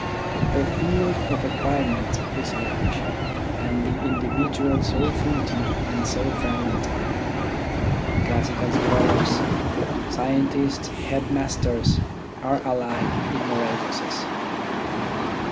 The field of acquirement is large, and the individual so fleeting and so fragmentary : classical scholars, scientists, headmasters are alike ignoramuses.